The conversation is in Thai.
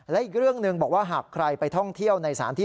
และอีกเรื่องหนึ่งบอกว่าหากใครไปท่องเที่ยวในสถานที่